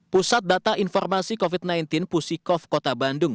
pusat data informasi covid sembilan belas pusikov kota bandung